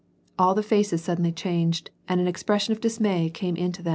AH the faces suddenly changed, and an expression of dismay came into them.